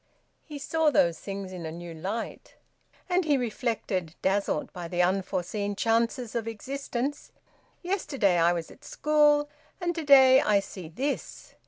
He saw those things in a new light. And he reflected, dazzled by the unforeseen chances of existence: "Yesterday I was at school and to day I see this!"